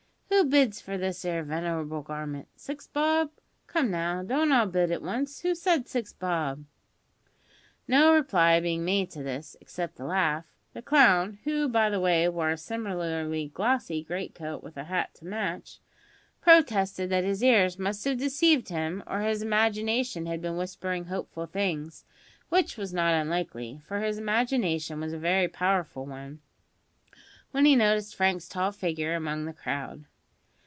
Who bids for this 'ere venerable garment? Six bob? Come now, don't all bid at once. Who said six bob?" No reply being made to this, except a laugh, the clown (who, by the way, wore a similarly glossy great coat, with a hat to match) protested that his ears must have deceived him, or his imagination had been whispering hopeful things which was not unlikely, for his imagination was a very powerful one when he noticed Frank's tall figure among the crowd.